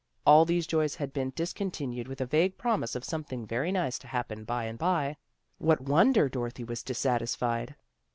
All these joys had been discon tinued with a vague promise of something very nice to happen by and by. What wonder Dorothy was dissatisfied?